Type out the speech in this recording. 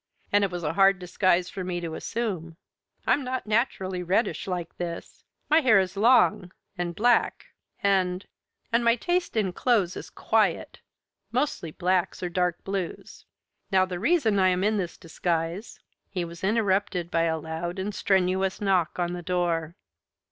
"And it was a hard disguise for me to assume. I'm not naturally reddish like this. My hair is long. And black. And and my taste in clothes is quiet mostly blacks or dark blues. Now the reason I am in this disguise " He was interrupted by a loud and strenuous knock on the door.